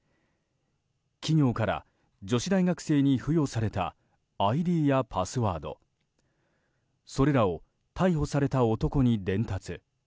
企業から女子大学生に付与されたＩＤやパスワードそれらを逮捕された男に伝達。